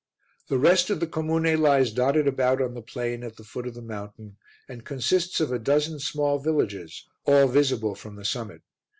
The rest of the comune lies dotted about on the plain at the foot of the mountain and consists of a dozen small villages, all visible from the summit.